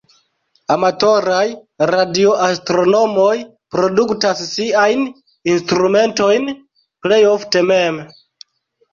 Amatoraj-Radioastronomoj produktas siajn instrumentojn plej ofte mem.